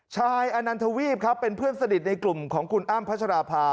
อนันทวีปครับเป็นเพื่อนสนิทในกลุ่มของคุณอ้ำพัชราภา